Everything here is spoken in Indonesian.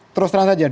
terus terang saja